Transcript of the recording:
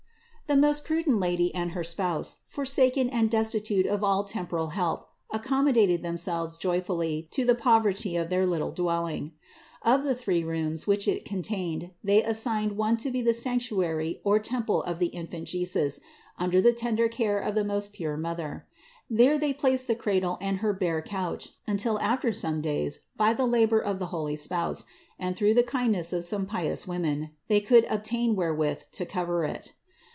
656. The most prudent Lady and her spouse, forsaken and destitute of all temporal help, accommodated them selves joyfully to the poverty of their little dwelling. Of the three rooms, which it contained, they assigned one to be the sanctuary or temple of the Infant Jesus under the tender care of the most pure Mother; there they placed the cradle and her bare couch, until, after some days, by the labor of the holy spouse, and through the kindness of some pious women, they could obtain where with to cover it.